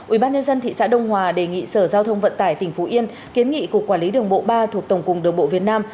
ubnd thị xã đông hòa đề nghị sở giao thông vận tải tỉnh phú yên kiến nghị cục quản lý đường bộ ba thuộc tổng cục đường bộ việt nam